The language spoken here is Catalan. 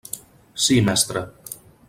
Sí, mestre.